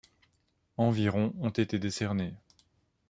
Environ ont été décernés.